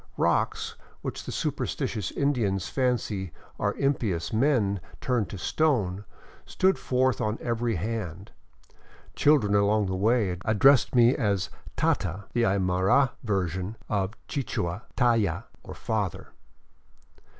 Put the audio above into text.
Rocks, which the superstitious Indians fancy are impious men turned to stone, stood forth on every hand. Children along the way addressed me as " tata," the Aymara version of the Ouichua " tayta " (father).